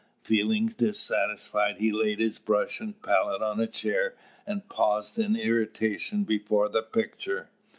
Feeling dissatisfied, he laid his brush and palette on a chair, and paused in irritation before the picture.